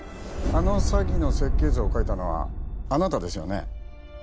あの詐欺の設計図を書いたのはあなたですよね